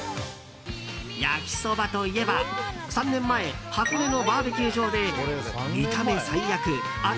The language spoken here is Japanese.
焼きそばといえば３年前、箱根のバーベキュー場で見た目最悪味